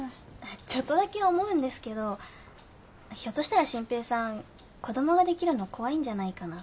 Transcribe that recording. ちょっとだけ思うんですけどひょっとしたら真平さん子供ができるの怖いんじゃないかな。